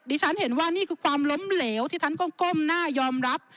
ฉันเห็นว่านี่คือความล้มเหลวที่ท่านก็ก้มหน้ายอมรับ